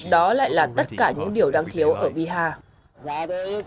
đó lại là tất cả những điều đáng thiếu ở bihar